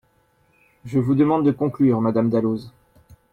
Je vous demande de conclure, madame Dalloz.